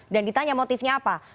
dan ditanya motifnya apa